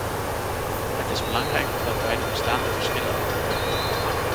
Het is belangrijk dat wij de bestaande verschillen overbruggen.